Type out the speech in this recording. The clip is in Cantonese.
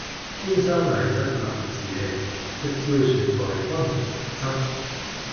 天生麗質難自棄，一朝選在君王側。